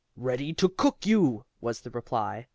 "Ready to cook you!" was the reply.